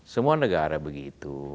semua negara begitu